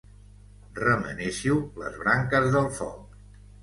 Remenéssiu les branques del foc.